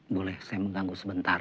boleh saya mengganggu sebentar